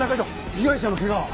被害者の怪我は？